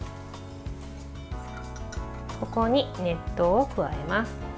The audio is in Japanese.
ここに、熱湯を加えます。